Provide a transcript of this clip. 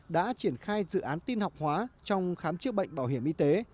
đã triển khai dự án tin học hóa trong khám chữa bệnh bảo hiểm y tế